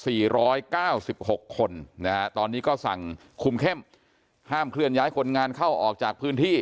หนีเบาะ๖คนตอนนี้ก็สั่งคุมเข้มห้ามเคลื่อนขึ้นย้ายคนงานเข้าออกจากพื้นที่